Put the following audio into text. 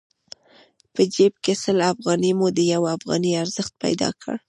په جېب کې سل افغانۍ مو د يوې افغانۍ ارزښت پيدا کړ.